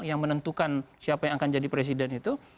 yang menentukan siapa yang akan jadi presiden itu